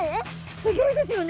すギョいですよね。